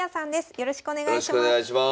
よろしくお願いします。